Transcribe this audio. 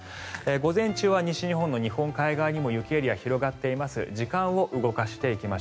午前中は西日本の日本海側にも雪エリアが広がっています